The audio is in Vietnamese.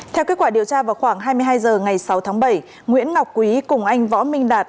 theo kết quả điều tra vào khoảng hai mươi hai h ngày sáu tháng bảy nguyễn ngọc quý cùng anh võ minh đạt